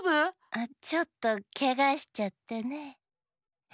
あっちょっとけがしちゃってね。え？